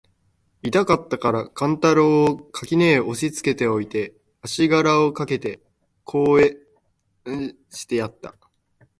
痛かつたから勘太郎を垣根へ押しつけて置いて、足搦あしがらをかけて向へ斃してやつた。